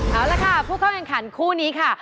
เอาละค่ะผู้เข้าแข่งขันคู่นี้ค่ะ